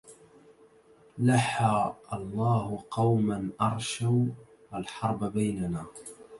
لحا الله قوما أرشوا الحرب بيننا